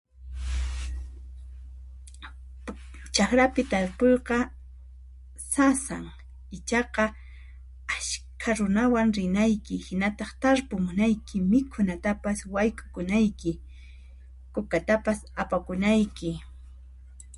chaqrapi tarpuyqa sasan ichaqa ashkha runawan rinayki hinataq tarpumunayki mikhunatapis wayk´ukunayki kukatapas apakunayky